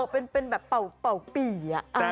เป็นแบบเป่าปี่